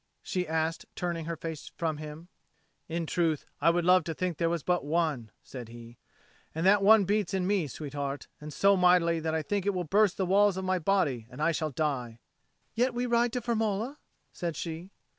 she asked, turning her face from him. "In truth I would love to think there was but one," said he. "And that one beats in me, sweetheart, and so mightily, that I think it will burst the walls of my body, and I shall die." "Yet we ride to Firmola," said she.